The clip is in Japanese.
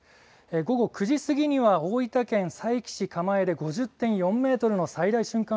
午後９時過ぎには大分県佐伯市蒲江で５０．４メートルの最大瞬間